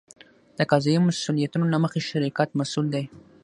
د قضایي مسوولیتونو له مخې شرکت مسوول دی.